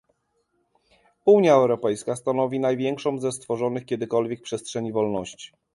Unia Europejska stanowi największą ze stworzonych kiedykolwiek przestrzeni wolności